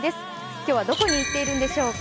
今日はどこに行っているんでしょうか。